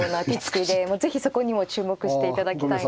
是非そこにも注目していただきたいなと。